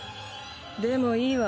でもいいわ。